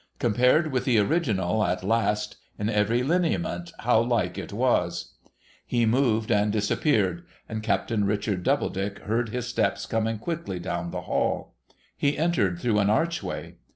Compared with the original, at last — in every lineament how like it was ! He moved, and disappeared, and Captain Richard Doubledick heard his steps coming quickly down into the hall. He entered through an archway.